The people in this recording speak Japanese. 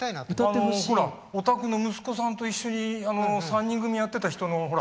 あのほらおたくの息子さんと一緒に３人組やってた人のほら。